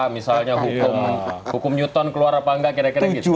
misalnya hukum newton keluar apa enggak kira kira gitu